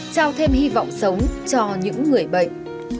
trao thêm hy vọng sống cho những người bệnh